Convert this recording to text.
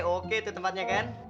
oke itu tempatnya kan